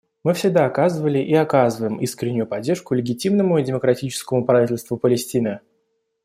Мы всегда оказывали и оказываем искреннюю поддержку легитимному и демократическому правительству Палестины.